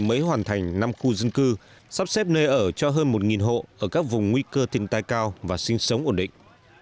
mới hoàn thành năm khu dân cư sắp xếp nơi ở cho hơn một hộ ở các vùng nguy cơ thiên tai cao và sinh sống ổn định